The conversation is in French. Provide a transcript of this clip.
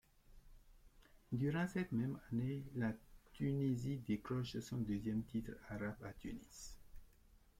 Durant cette même année, la Tunisie décroche son deuxième titre arabe à Tunis.